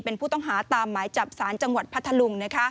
เป็นผู้ต้องหาตามหมายจับสารจังหวัดพัทธลุง